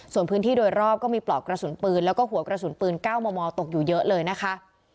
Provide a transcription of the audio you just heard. ส่วนพื้นที่โดยรอบก็มีปลอกกระสุนปืนแล้วก็หัวกระสุนปืน๙มมตกอยู่เยอะเลยนะคะ